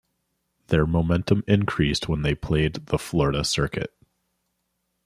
Their momentum increased when they played the Florida circuit.